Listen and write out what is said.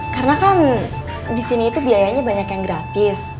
karena kan disini itu biayanya banyak yang gratis